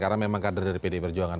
karena memang kader dari pdi perjuangan